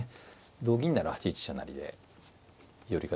同銀なら８一飛車成で寄り形ですね。